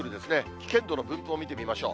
危険度の分布を見てみましょう。